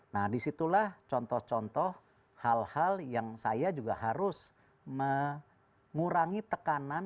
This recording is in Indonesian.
nah disitulah contoh contoh hal hal yang saya juga harus mengurangi tekanan